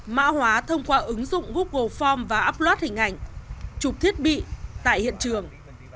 mạ hóa thông qua ứng dụng google form và upload hình ảnh chụp thiết bị tại hiện trường